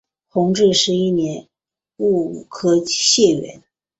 弘治十一年戊午科解元。